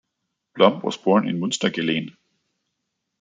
Blom was born in Munstergeleen.